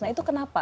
nah itu kenapa